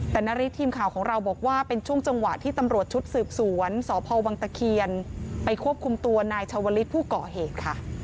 แต่นาริสทีมข่าวของเราบอกว่าเป็นช่วงจังหวะที่ตำรวจชุดสืบสวนสพวังตะเคียนไปควบคุมตัวนายชาวลิศผู้ก่อเหตุค่ะ